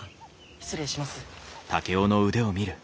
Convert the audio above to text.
失礼します。